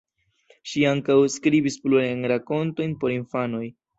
Ŝi ankaŭ skribis plurajn rakontojn por infanoj.